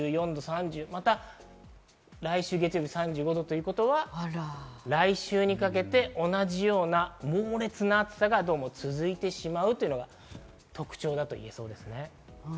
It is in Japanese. また来週月曜日、３５度ということは、来週にかけて同じような猛烈な暑さが続いてしまうというのが特徴だと言えそうです。